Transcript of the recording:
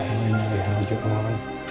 ini yang dia yang ajuk ke rumah kan